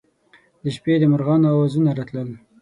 د شپې د مرغانو اوازونه راتلل.